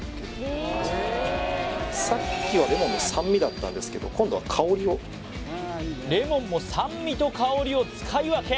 さっきはレモンの酸味だったんですけど今度は香りをレモンも酸味と香りを使い分け